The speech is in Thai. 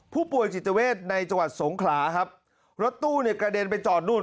ผู้ป่วยจิตเวทในจังหวัดสงขลาครับรถตู้เนี่ยกระเด็นไปจอดนู่น